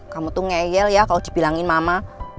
kamu tuh ngeyel ya kalau dibilangin mama